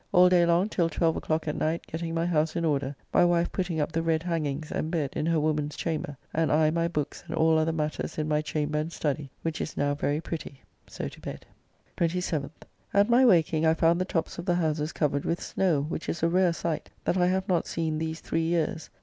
All day long till twelve o'clock at night getting my house in order, my wife putting up the red hangings and bed in her woman's chamber, and I my books and all other matters in my chamber and study, which is now very pretty. So to bed. 27th. At my waking, I found the tops of the houses covered with snow, which is a rare sight, that I have not seen these three years.